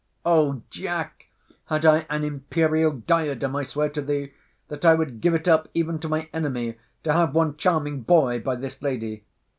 O Jack! had I am imperial diadem, I swear to thee, that I would give it up, even to my enemy, to have one charming boy by this lady.